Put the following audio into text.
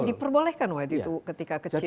diperbolehkan waktu itu ketika kecil